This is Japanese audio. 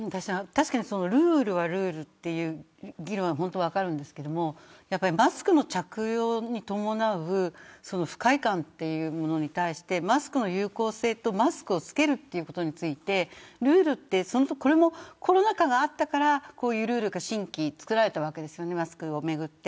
確かにルールはルールという議論は分かりますがマスクの着用に伴う不快感というものに対してマスクの有効性とマスクを着けることについてコロナ禍があったからこういうルールが新規にできたわけですよね。